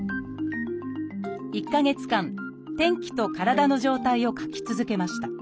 １か月間天気と体の状態を書き続けました。